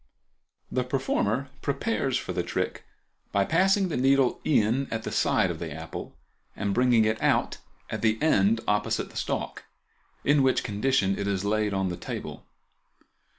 The performer prepares for the trick by passing the needle in at the side of the apple and bringing it out at the end opposite the stalk, in which condition it is laid on the table.